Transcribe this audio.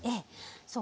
そう。